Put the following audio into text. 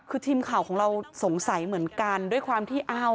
คือทีมข่าวของเราสงสัยเหมือนกันด้วยความที่อ้าว